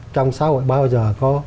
trong xã hội bao giờ có